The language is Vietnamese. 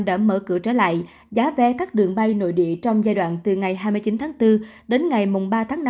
đã mở cửa trở lại giá vé các đường bay nội địa trong giai đoạn từ ngày hai mươi chín tháng bốn đến ngày ba tháng năm